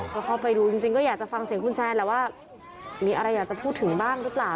ก็เข้าไปดูจริงก็อยากจะฟังเสียงคุณแซนแหละว่ามีอะไรอยากจะพูดถึงบ้างหรือเปล่า